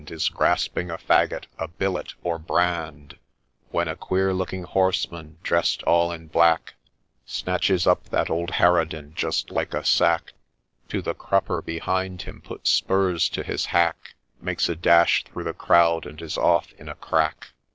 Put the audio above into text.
Is grasping a faggot, a billet, or brand, When a queer looking horseman, drest all in black, Snatches up that old harridan just like a sack To the crupper behind him, puts spurs to his hack, Makes a dash through the crowd, and is off in a crack